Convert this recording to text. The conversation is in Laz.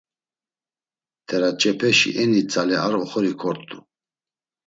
T̆eraç̌epeşi eni tzale ar oxori kort̆u.